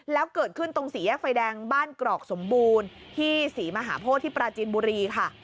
แล้วเกิดขึ้นตรงสี่แยกไฟแดงบ้านกรอกสมบูรณ์ที่ศรีมหาโพธิที่ปราจินบุรีค่ะ